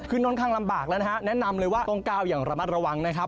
ค่อนข้างลำบากแล้วนะฮะแนะนำเลยว่าต้องก้าวอย่างระมัดระวังนะครับ